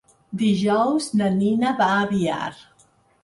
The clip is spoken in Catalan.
Dijous na Nina va a Biar.